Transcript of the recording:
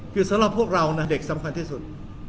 คือสำหรับพวกเรานะเด็กสำคัญที่สุด